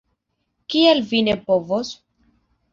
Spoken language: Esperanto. Kial vi ne povos?